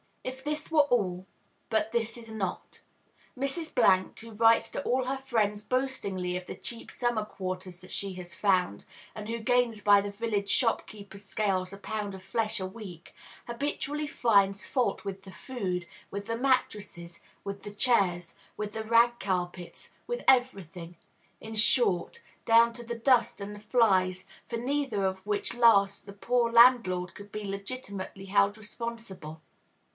If this were all; but this is not. Mrs. , who writes to all her friends boastingly of the cheap summer quarters that she has found, and who gains by the village shop keeper's scales a pound of flesh a week, habitually finds fault with the food, with the mattresses, with the chairs, with the rag carpets, with every thing, in short, down to the dust and the flies, for neither of which last the poor landlord could be legitimately held responsible.